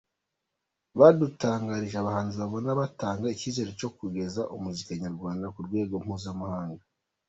Badutangarije abahanzi babona batanga icyizere cyo kugeza umuziki nyarwanda ku rwego mpuzamahanga.